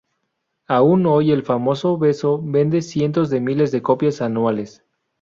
Aún hoy el famoso beso vende cientos de miles de copias anuales.